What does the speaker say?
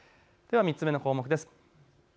では３つ目の項目です。